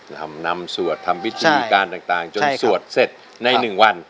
นำนำสวดทำพิธีการต่างจนสวดเสร็จในหนึ่งวัน